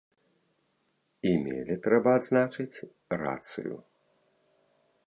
І мелі, трэба адзначыць, рацыю.